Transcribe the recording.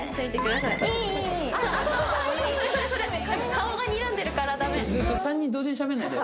顔がにらんでるから駄目。